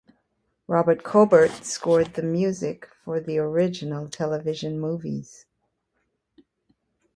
Robert Cobert scored the music for the original television movies.